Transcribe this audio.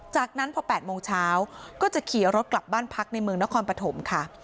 จากนั้นพอ๘โมงเช้าก็จะขี่รถกลับบ้านพักในเมืองนครปฐมค่ะ